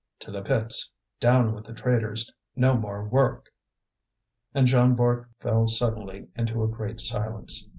"To the pits! Down with the traitors! No more work!" And Jean Bart fell suddenly into a great silence.